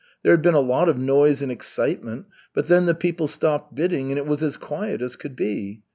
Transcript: There had been a lot of noise and excitement, but then the people stopped bidding, and it was as quiet as could be.